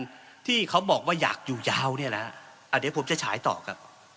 เพราะที่เขาบอกว่าอยากอยู่ยาวนี่ล่ะอะเดี๋ยวผมจะฉายต่อกับ